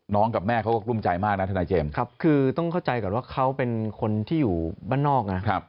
กับแม่เขาก็กลุ้มใจมากนะทนายเจมส์ครับคือต้องเข้าใจก่อนว่าเขาเป็นคนที่อยู่บ้านนอกนะ